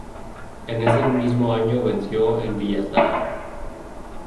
Ese mismo año venció en Villasana.